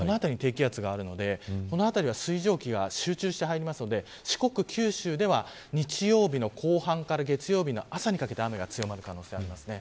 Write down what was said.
この辺りに低気圧があるのでこの辺りは水蒸気が集中して入りますので四国、九州では日曜日の後半から月曜日の朝にかけて雨が強まる可能性があります。